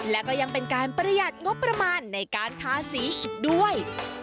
และก็ยังเป็นการประหยัดงบประมาณในการทาสีอีกด้วย